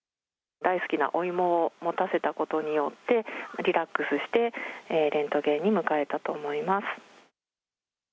大好きなお芋を持たせたことによって、リラックスしてレントゲンに向かえたと思います。